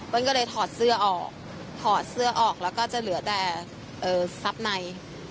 ก็เลยถอดเสื้อออกถอดเสื้อออกแล้วก็จะเหลือแต่ทรัพย์ใน